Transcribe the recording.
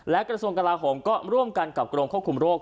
และกระทรวงกลาโหมก็ร่วมกันกับกรมควบคุมโรค